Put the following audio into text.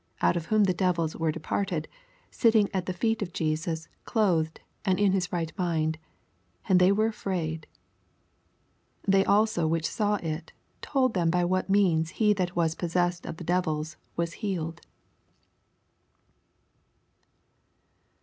out of whom the devils were departed, sitting at the feet o| Jesus clothed, and in nis right mind : and they were afraid. 86 Thej also which saw U told them bv what means he that was possessed or the devils was healed.